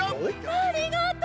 ありがとう！